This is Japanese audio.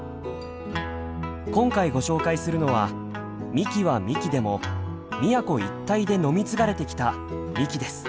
今回ご紹介するのは「みき」は「みき」でも宮古一帯で飲み継がれてきた「みき」です。